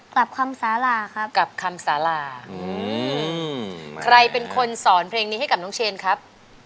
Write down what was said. กลับคำสาราครับกลับคำสาราใครเป็นคนสอนเพลงนี้ให้กับน้องเชนครับ